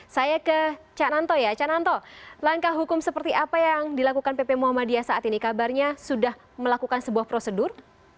saya ke cak nanto ya cananto langkah hukum seperti apa yang dilakukan pp muhammadiyah saat ini kabarnya sudah melakukan sebuah prosedur